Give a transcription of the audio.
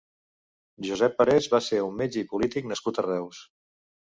Joseph Parés va ser un metge i polític nascut a Reus.